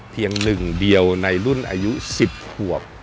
เพียงหนึ่งเดียวในรุ่นอายุ๑๐ขวบ